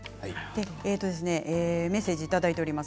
メッセージをいただいています。